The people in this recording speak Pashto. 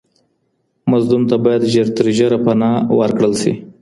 مظلوم ته بايد ژر تر ژره پناه ورکړل سي.